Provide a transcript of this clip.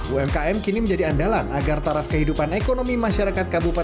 umkm kini menjadi andalan agar taraf kehidupan ekonomi masyarakat kabupaten blitar bisa berjaya